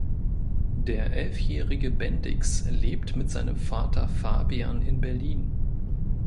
Der elfjährige Bendix lebt mit seinem Vater Fabian in Berlin.